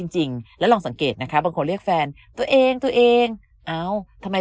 จริงแล้วลองสังเกตนะคะบางคนเรียกแฟนตัวเองตัวเองเอ้าทำไม